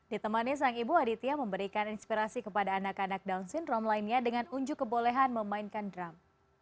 ditemani sang ibu aditya memberikan inspirasi kepada anak anak down syndrome lainnya dengan unjuk kebolehan memainkan drum